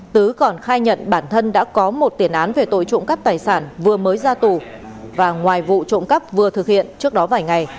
tứ còn khai nhận bản thân đã có một tiền án về tội trộm cắp tài sản vừa mới ra tù và ngoài vụ trộm cắp vừa thực hiện trước đó vài ngày